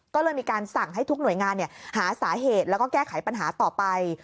ก็เลยมีการสั่งให้ทุกหน่วยงานหาสาเหตุแล้วก็แก้ไขปัญหาต่อไป